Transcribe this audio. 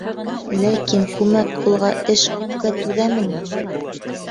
Ләкин күмәк ҡулға эш күпкә түҙәме ни?